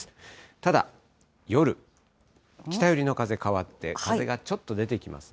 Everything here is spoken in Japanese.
ただ、夜、北寄りの風変わって、風がちょっと出てきますね。